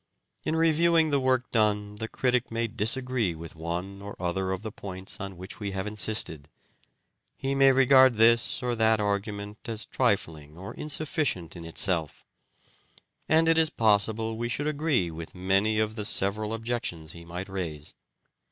In reviewing the work done the critic may disagree with one or other of the points on which we have insisted ; he may regard this or that argument as trifling or insufficient in itself, and it is possible we should agree with many of the several objections he might raise.